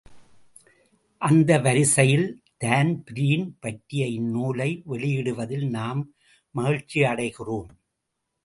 அந்த வரிசையில் தான்பிரீன் பற்றிய இந்நூலை வெளியிடுவதில் நாம் மகிழ்ச்சியடைகிறோம்.